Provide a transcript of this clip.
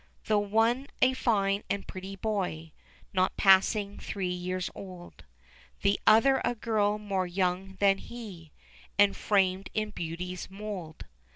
309 3IO ENGLISH FAIRY TALES The one a fine and pretty boy Not passing three years old, The other a girl more young than he, And framed in beauty's mould.